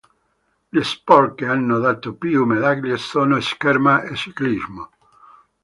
Gli sport che hanno dato più medaglie sono scherma e ciclismo.